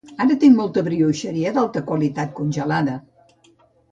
Ara tinc molta brioxeria d'alta qualitat congelada